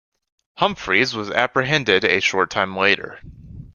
Humphries was apprehended a short time later.